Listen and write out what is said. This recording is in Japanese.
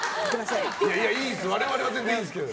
我々は全然いいんですけど。